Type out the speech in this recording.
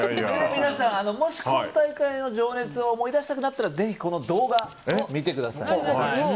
皆さん、もし今大会の情熱を思い出したくなったらこの動画を見てください。